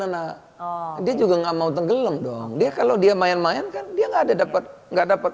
anak dia juga nggak mau tenggelam dong dia kalau dia main main kan dia nggak ada dapat nggak dapat